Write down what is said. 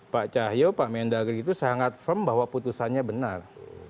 pak cahyo pak mendagri itu sangat firm bahwa putusannya benar